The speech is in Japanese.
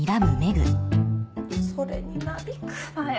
それになびくなよ。